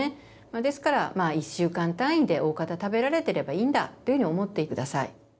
ですから１週間単位でおおかた食べられてればいいんだというふうに思って下さい。